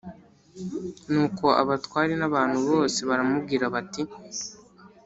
Nuko abatware n abantu bose baramubwira bati